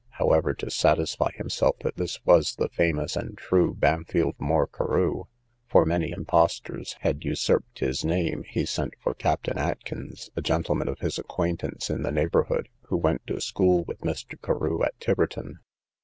—However, to satisfy himself that this was the famous and true Bampfylde Moore Carew, for many impostors had usurped his name, he sent for Captain Atkins, a gentleman of his acquaintance in the neighbourhood, who went to school with Mr. Carew at Tiverton.